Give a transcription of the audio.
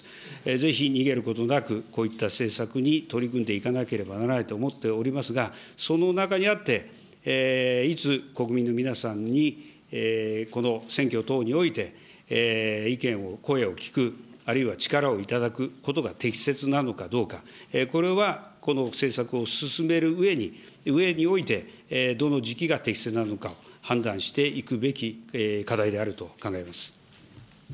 ぜひ逃げることなく、こういった政策に取り組んでいかなければならないと思っておりますが、その中にあって、いつ国民の皆さんにこの選挙等において意見を、声を聞く、あるいは力をいただくことが適切なのかどうか、これは、この政策を進めるうえにおいて、どの時期が適切なのか、判断していくべき課題であると考えます。